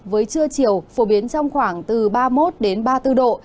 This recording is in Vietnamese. với trưa chiều phổ biến trong khoảng từ ba mươi một ba mươi bốn độ